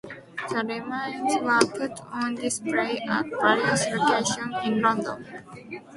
Their remains were put on display at various locations in London.